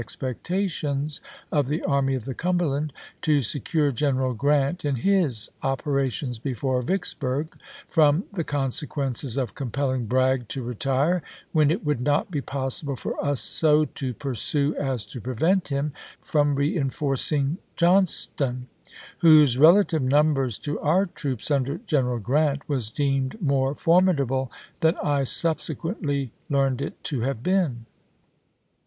expectations of the Army of the Cumberland, to secure General Grant in his operations before Vicks burg from the consequences of compelling Bragg to retire, when it would not be possible for us so Rosecrans, to pursue as to prevent him from reenforcing John ^ Re^n ^' ston, whose relative numbers to our troops under Sfconduc't General Grant was deemed more formidable than I isetes.^'^' Part HI., subsequently learned it to have been."